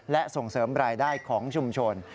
และส่งเสริมรายได้ของชุมชน